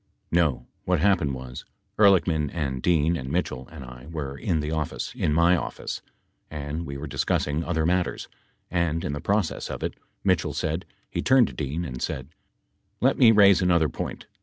No, what happened was — Ehrlichman and Dean and Mitchell and I were in the office, in my office, and we were discussing other matters. And in the process of it, Mitchell said — he turned to Dean and said, "Let me raise another point.